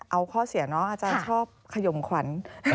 เอาข้อเสียน้องอาจารย์ชอบขยมขวัญ